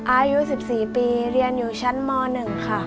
อายุ๑๔ปีเรียนอยู่ชั้นม๑ค่ะ